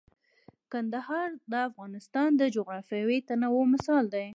کندهار د افغانستان د جغرافیوي تنوع مثال دی.